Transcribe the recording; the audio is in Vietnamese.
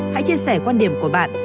hãy chia sẻ quan điểm của bạn